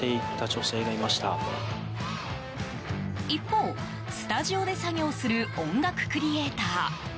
一方、スタジオで作業する音楽クリエーター。